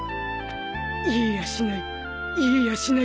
言えやしない言えやしないよ。